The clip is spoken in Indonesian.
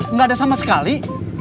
enggak ada sama sekali